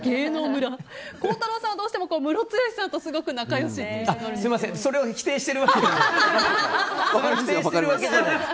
孝太郎さんはどうしてもムロツヨシさんとすごくすみません、それを否定してるわけじゃないです。